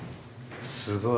すごい。